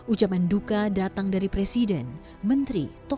ucapan duka datang dari presiden menteri tokoh perintah dan pemerintah